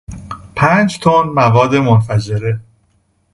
پنج تن مواد منفجره